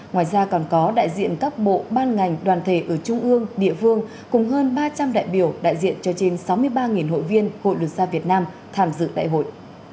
ngoài ra còn có đại diện các bộ ban ngành đoàn thể ở trung ương địa phương cùng hơn ba trăm linh đại biểu đại diện cho trên sáu mươi ba hội viên hội luật gia việt nam tham dự đại hội